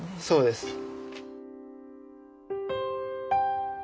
そうです。